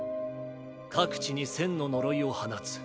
各地に１０００の呪いを放つ。